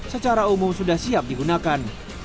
secara umum sudah siap digunakan